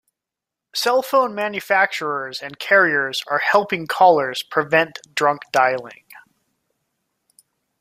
Cell phone manufacturers and carriers are helping callers prevent drunk dialing.